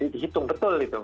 di hitung betul gitu